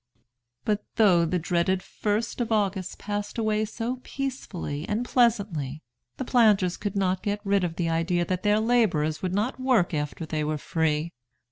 '" But though the dreaded 1st of August passed away so peacefully and pleasantly, the planters could not get rid of the idea that their laborers would not work after they were free.